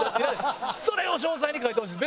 それを詳細に書いてほしい。